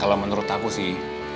kalau menurut aku sih